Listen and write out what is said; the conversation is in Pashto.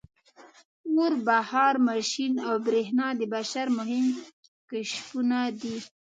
• اور، بخار ماشین او برېښنا د بشر مهم کشفونه دي.